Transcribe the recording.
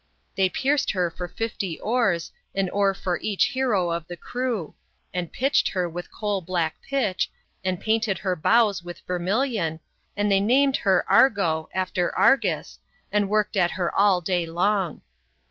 They pierced her for fifty oars, an oar for each hero of the crew, and pitched her with coal black pitch, and painted her bows with vermilion, and they named her Argo, after Argus, and worked at her all day long.